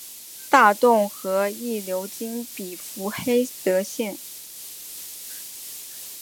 大洞河亦流经比弗黑德县。